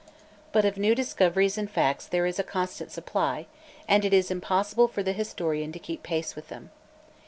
But of new discoveries and facts there is a constant supply, and it is impossible for the historian to keep pace with them.